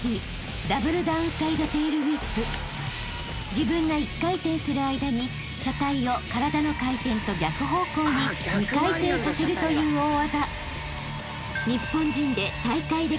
［自分が１回転する間に車体を体の回転と逆方向に２回転させるという大技］